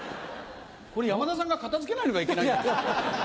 これ山田さんが片付けないのがいけないんじゃないですか。